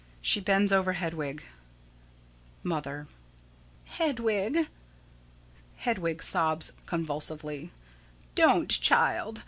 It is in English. She bends over Hedwig._] Mother: Hedwig. [Hedwig sobs convulsively.] Don't, child.